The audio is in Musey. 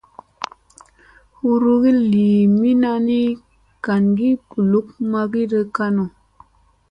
Hurgi lii mina ni, gangi ɓuluk magiɗa kanu.